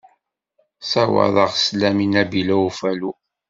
Sawaḍeɣ sslam i Nabila n Ufalu.